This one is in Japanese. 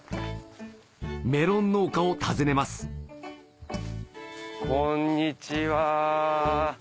メロン農家を訪ねますこんにちは。